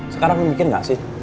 sekarang lu mikir gak sih